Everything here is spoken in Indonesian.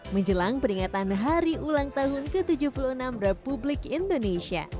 menjelang peringatan hari ulang tahun ke tujuh puluh enam